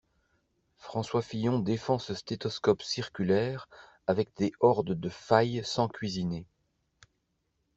François Fillon défend ce stéthoscope circulaire avec des hordes de failles sans cuisiner.